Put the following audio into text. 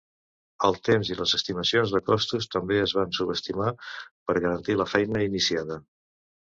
El temps i les estimacions de costos també es van subestimar per garantir la feina iniciada.